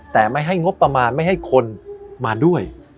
แต่ไม่ให้งบประมาณไม่ให้คนมาด้วย